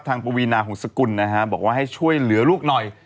ปวีนาหงษกุลนะฮะบอกว่าให้ช่วยเหลือลูกหน่อย